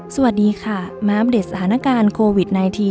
สวัสดีค่ะมาอัปเดตสถานการณ์โควิด๑๙